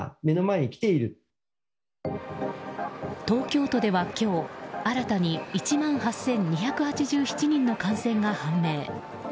東京都では今日、新たに１万８２８７人の感染が判明。